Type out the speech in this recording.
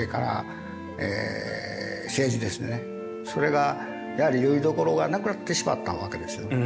それがよりどころがなくなってしまったわけですね。